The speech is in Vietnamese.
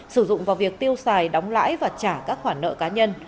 sử dụng vào việc tiêu xài đóng lãi và trả các khoản nợ cá nhân